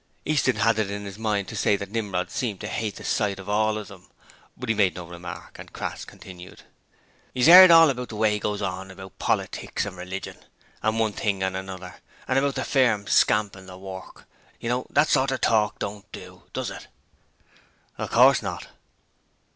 Easton had it in his mind to say that Nimrod seemed to hate the sight of all of them: but he made no remark, and Crass continued: ''E's 'eard all about the way Owen goes on about politics and religion, an' one thing an' another, an' about the firm scampin' the work. You know that sort of talk don't do, does it?' 'Of course not.'